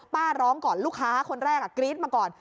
ป้าร้องก่อนลูกค้าคนแรกกรี๊ดมาก่อน